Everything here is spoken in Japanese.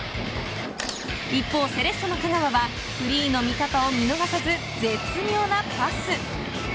一方、セレッソの香川はフリーの味方を見逃さず絶妙なパス。